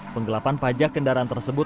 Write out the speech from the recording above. penggelapan pajak kendaraan tersebut